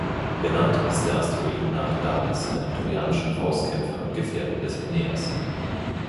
Benannt ist der Asteroid nach Dares, einem trojanischen Faustkämpfer und Gefährten des Aeneas.